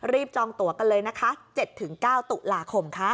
จองตัวกันเลยนะคะ๗๙ตุลาคมค่ะ